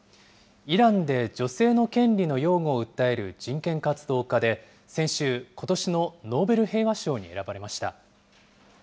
イランで女性の権利の擁護を訴える人権活動家で、先週、ことしのノーベル平和賞に選ばれました。